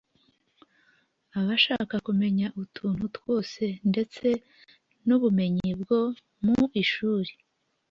Aba ashaka kumenya utuntu twose ndetse n’ubumenyi bwo mu ishuri